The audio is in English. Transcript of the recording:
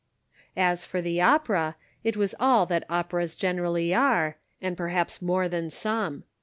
As for the opera, it was all that operas gen erally are, and perhaps more than some.